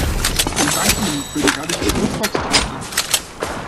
Und dank ihm für die herrliche Geburtstagstorte.